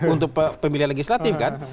untuk pemilihan legislatif kan